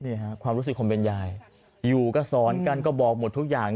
นี่ค่ะความรู้สึกคนเป็นยายอยู่ก็สอนกันก็บอกหมดทุกอย่าง